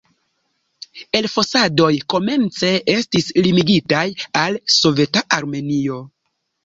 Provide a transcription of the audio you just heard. Elfosadoj komence estis limigitaj al soveta Armenio.